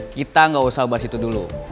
kita nggak usah bahas itu dulu